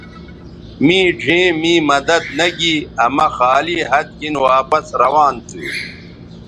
می ڙھیئں می مدد نہ گی آ مہ خالی ھَت گِھن واپس روان تھو